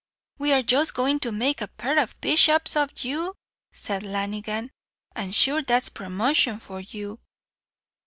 "We are just goin' to make a pair o' bishops of you," said Lanigan; "and sure that's promotion for you."